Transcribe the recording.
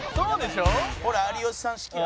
「ほら有吉さん式や」